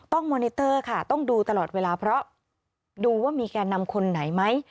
มอนิเตอร์ค่ะต้องดูตลอดเวลาเพราะดูว่ามีแก่นำคนไหนไหม